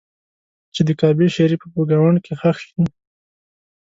چې د کعبې شریفې په ګاونډ کې ښخ شي.